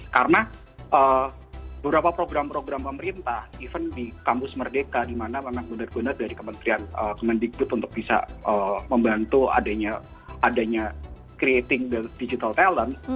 karena beberapa program program pemerintah even di kampus merdeka dimana memang benar benar dari kementerian kementerian dikbut untuk bisa membantu adanya creating digital talent